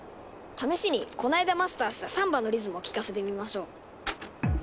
試しにこないだマスターしたサンバのリズムを聴かせてみましょう。